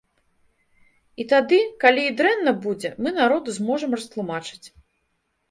І тады, калі і дрэнна будзе, мы народу зможам растлумачыць.